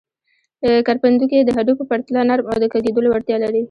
کرپندوکي د هډوکو په پرتله نرم او د کږېدلو وړتیا لري.